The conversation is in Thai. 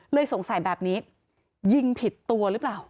สงสัยแบบนี้ยิงผิดตัวหรือเปล่า